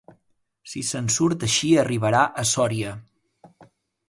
Si se'n surt així arribarà a Sòria.